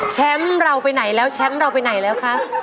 แชมป์เราไปไหนแล้วแชมป์เราไปไหนแล้วคะ